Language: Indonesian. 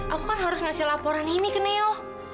aku kan harus ngasih laporan ini ke neo